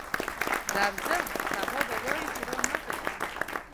درځم، سبا به وایې چې رانغی.